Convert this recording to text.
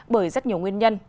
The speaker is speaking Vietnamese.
bởi rất nhiều nguyên nhân